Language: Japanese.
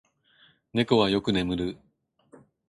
猫はよく眠る。